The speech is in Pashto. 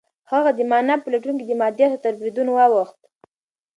هغه د مانا په لټون کې د مادیاتو تر بریدونو واوښت.